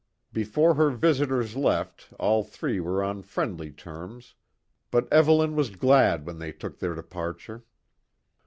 Before her visitors left all three were on friendly terms, but Evelyn was glad when they took their departure.